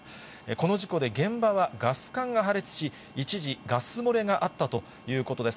この事故で現場は、ガス管が破裂し、一時、ガス漏れがあったということです。